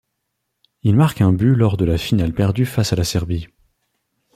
Il marque un but lors de la finale perdue face à la Serbie.